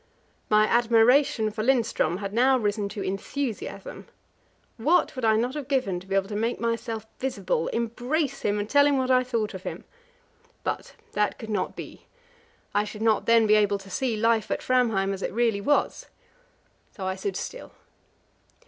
My admiration for Lindström had now risen to enthusiasm. What would I not have given to be able to make myself visible, embrace him, and tell him what I thought of him! But that could not be; I should not then be able to see life at Framheim as it really was. So I stood still.